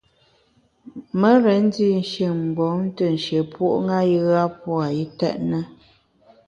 Me rén ndi shin mgbom te nshié puo’ ṅa a pua’ itèt na.